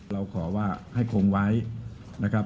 เราขอว่าให้คงไว้นะครับ